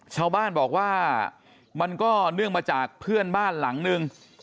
ชาวบ้านบอกว่ามันก็เนื่องมาจากเพื่อนบ้านหลังนึง